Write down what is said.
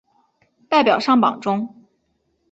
代表上榜中